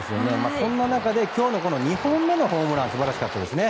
そんな中で今日の２本目のホームラン素晴らしかったですね。